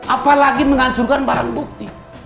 apalagi menghancurkan barang bukti